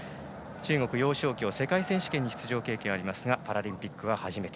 中国、楊少橋世界選手権に出場経験がありますがパラリンピックは初めて。